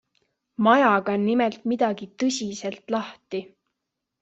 Majaga on nimelt midagi tõsiselt lahti.